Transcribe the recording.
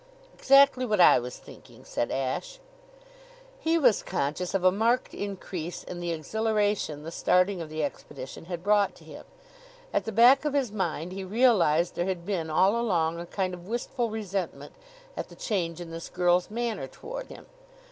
"Exactly what I was thinking," said Ashe. He was conscious of a marked increase in the exhilaration the starting of the expedition had brought to him. At the back of his mind he realized there had been all along a kind of wistful resentment at the change in this girl's manner toward him.